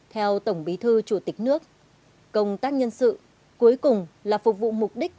theo tổng bí thư chủ tịch nước công tác nhân sự cuối cùng là phục vụ mục đích